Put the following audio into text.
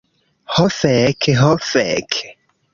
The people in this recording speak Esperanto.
Ho fek' ho fek'...